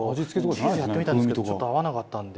チーズやってみたんですけどちょっと合わなかったんで。